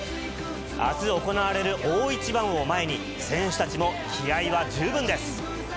あす行われる大一番を前に、選手たちも気合は十分です。